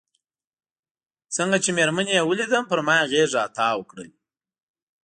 څنګه چې مېرمنې یې ولیدم پر ما یې غېږ را وتاو کړل.